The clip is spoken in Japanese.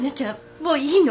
もういいの。